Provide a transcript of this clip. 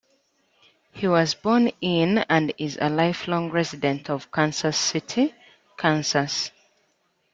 He was born in, and is a lifelong resident of, Kansas City, Kansas.